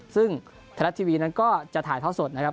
ซึ่งไทยรัฐทีวีนั้นก็จะถ่ายท่อสดนะครับ